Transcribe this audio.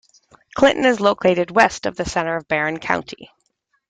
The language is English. Clinton is located west of the center of Barron County.